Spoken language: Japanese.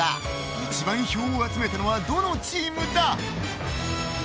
一番票を集めたのはどのチームか。